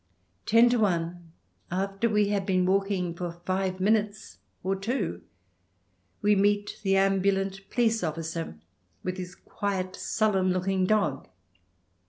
Ten to one, after we have been walking for five minutes or two, we meet the ambulant police officer with his quiet, sullen looking dog.